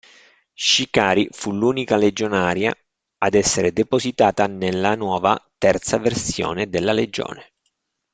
Shikari fu l'unica Legionaria ad essere depositata nella nuova terza versione della Legione.